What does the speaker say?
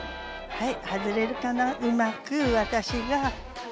はい！